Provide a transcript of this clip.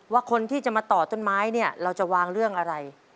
คนที่จะมาต่อต้นไม้เนี่ยเราจะวางเรื่องอะไร